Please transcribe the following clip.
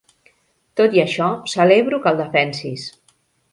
Tot i això, celebro que el defensis.